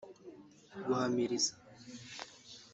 guhamiriza